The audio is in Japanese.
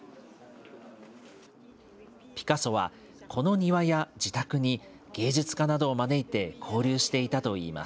ピカソはこの庭や自宅に芸術家などを招いて交流していたといいま